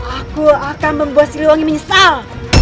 aku akan membuat siliwangi menyesal